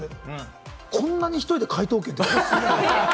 こんなに１人で解答権？